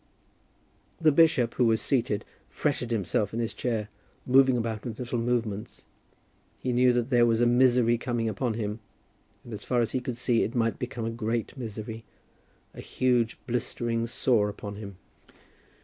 The bishop, who was seated, fretted himself in his chair, moving about with little movements. He knew that there was a misery coming upon him; and, as far as he could see, it might become a great misery, a huge blistering sore upon him.